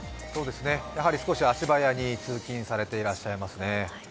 やはり少し足早に通勤されていらっしゃいますね。